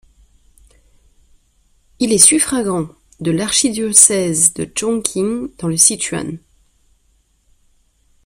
Il est suffragant de l'archidiocèse de Chongqing dans le Sichuan.